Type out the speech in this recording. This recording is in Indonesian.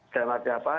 dalam arti apa